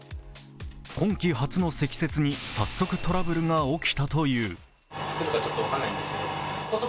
今季初の積雪に早速トラブルが起きたという。